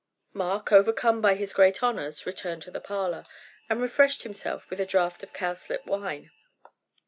Mark, overcome by his great honors, returned to the parlor, and refreshed himself with a draught of cowslip wine.